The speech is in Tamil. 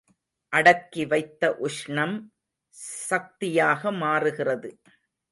அடக்கி வைத்த உஷ்ணம் சக்தியாக மாறுகிறது.